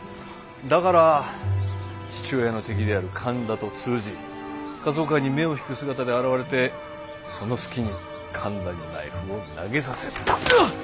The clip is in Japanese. だから父親の敵である神田と通じ仮装会に目を引く姿で現れてその隙に神田にナイフを投げさせた。